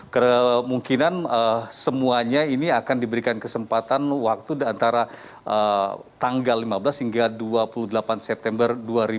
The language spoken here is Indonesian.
kemungkinan semuanya ini akan diberikan kesempatan waktu antara tanggal lima belas hingga dua puluh delapan september dua ribu dua puluh